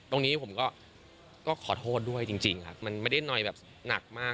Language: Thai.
ตรงนี้ผมก็ขอโทษด้วยจริงครับมันไม่ได้นอยแบบหนักมาก